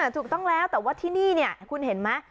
ถูกต้องแล้วแต่ว่าที่นี่คุณเห็นไหม